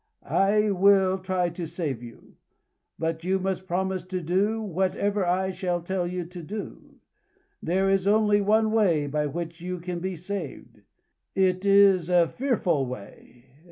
I will try to save you. But you must promise to do whatever I shall tell you to do. There is only one way by which you can be saved. It is a fearful way.